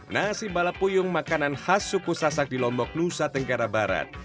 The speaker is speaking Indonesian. nasi balapuyung makanan khas suku sasak di lombok nusa tenggara barat